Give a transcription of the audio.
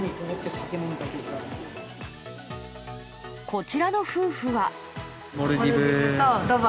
こちらの夫婦は。